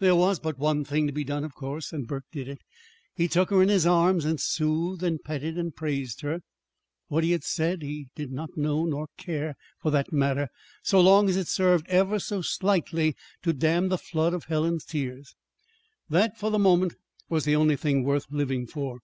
There was but one thing to be done, of course; and Burke did it. He took her in his arms and soothed and petted and praised her. What he said he did not know nor care, for that matter, so long as it served ever so slightly to dam the flood of Helen's tears. That, for the moment, was the only thing worth living for.